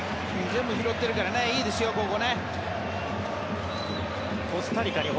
全部拾っているからいいですよ、ここは。